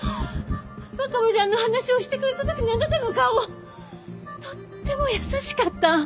若葉ちゃんの話をしてくれた時のあなたの顔とっても優しかった。